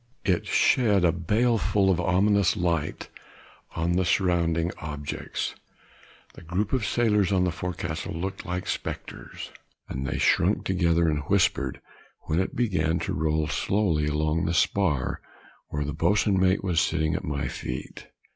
It shed a baleful and ominous light on the surrounding objects; the group of sailors on the forecastle looked like spectres, and they shrunk together, and whispered when it began to roll slowly along the spar where the boatswain was sitting at my feet.